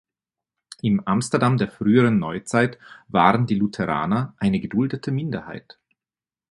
Im Amsterdam der frühen Neuzeit waren die Lutheraner eine geduldete Minderheit.